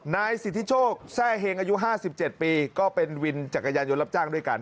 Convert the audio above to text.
นายสิทธิโชคแทร่เฮงอายุ๕๗ปีก็เป็นวินจักรยานยนต์รับจ้างด้วยกัน